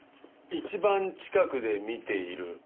「一番近くで見ている」